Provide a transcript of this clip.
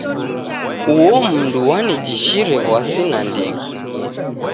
Uo mndu wanijishire w'asi nandighi.